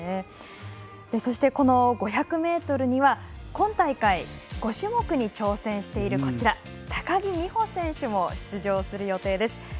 そして、５００ｍには今大会、５種目に挑戦している高木美帆選手も出場する予定です。